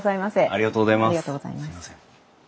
ありがとうございます。